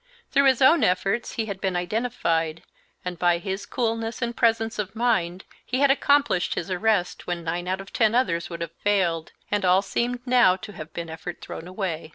Through his own efforts he had been identified, and by his coolness and presence of mind he had accomplished his arrest when nine out of ten others would have failed, and all seemed now to have been effort thrown away.